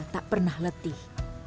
tak pernah letih